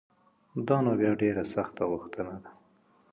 دا نو بیا ډېره سخته غوښتنه ده